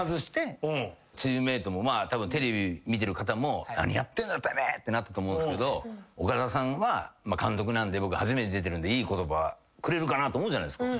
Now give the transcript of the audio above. チームメートもたぶんテレビ見てる方も。ってなったと思うんですけど岡田さんは監督なんで僕初めて出てるんでいい言葉くれるかなって思うじゃないですか。